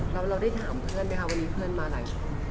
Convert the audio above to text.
แล้วเราได้ถามเพื่อนไหมคะวันนี้เพื่อนมาหลายคน